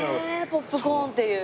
ポップコーンっていう。